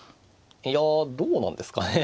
いやどうなんですかね。